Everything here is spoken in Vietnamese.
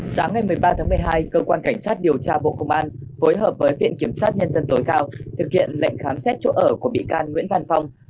sáng ngày một mươi ba tháng một mươi hai cơ quan cảnh sát điều tra bộ công an phối hợp với viện kiểm sát nhân dân tối cao thực hiện lệnh khám xét chỗ ở của bị can nguyễn văn phong